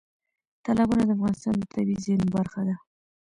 تالابونه د افغانستان د طبیعي زیرمو برخه ده.